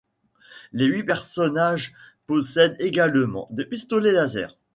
Les huit personnages possèdent également des pistolets laser.